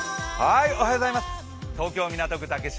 東京・港区竹芝